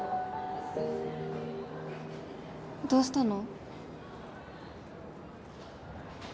どうしたの？